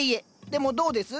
でもどうです？